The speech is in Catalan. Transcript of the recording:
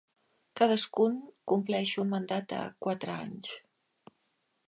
Cadascun compleix un mandat de quatre anys.